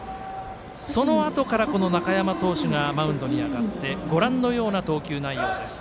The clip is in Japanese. そのあとからこの中山投手がマウンドに上がってご覧のような投球内容です。